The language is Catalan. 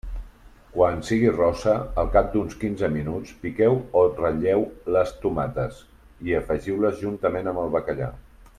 Quan sigui rossa, al cap d'uns quinze minuts, piqueu o ratlleu les tomates i afegiu-les juntament amb el bacallà.